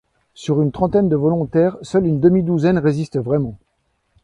Sur une trentaine de volontaires, seule une demi-douzaine résiste vraiment.